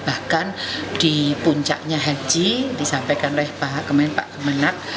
bahkan di puncaknya haji disampaikan rehbah kemenak